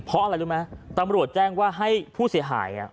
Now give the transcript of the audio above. เพราะอะไรรู้ไหมตำรวจแจ้งว่าให้ผู้เสียหาย